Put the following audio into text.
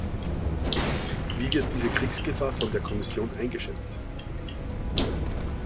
Wie wird diese Kriegsgefahr von der Kommission eingeschätzt?